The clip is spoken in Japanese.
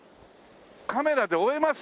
カメラで追えます？